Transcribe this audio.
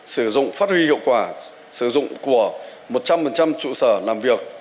sử dụng phát huy hiệu quả sử dụng của một trăm linh trụ sở làm việc